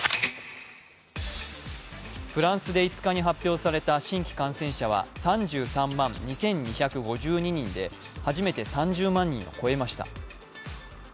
フランスで５日に発表された新規感染者は３３万２２５２人で初めて３０万人を超えました。